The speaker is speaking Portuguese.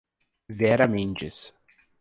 Vera Mendes